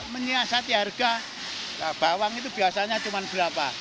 menyiasati harga bawang itu biasanya cuma berapa